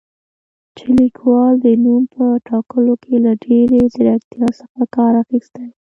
چې لیکوال د نوم په ټاکلو کې له ډېرې زیرکتیا څخه کار اخیستی